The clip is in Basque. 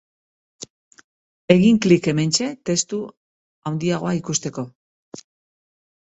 Egin klik hementxe testua handiago ikusteko.